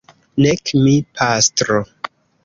Nek mi, pastro.